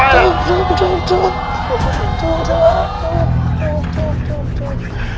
ถูก